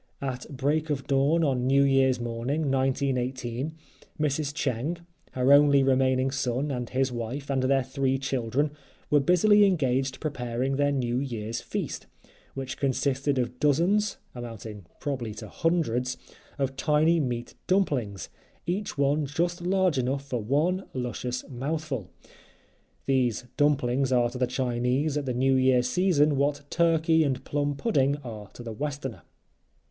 At break of dawn on New Year's morning, 1918, Mrs. Cheng, her only remaining son and his wife, and their three children, were busily engaged preparing their New Year's feast, which consisted of dozens (amounting probably to hundreds) of tiny meat dumplings, each one just large enough for one (?) luscious, mouthful. (These dumplings are to the Chinese at the New Year season what turkey and plum pudding are to the Westerner.)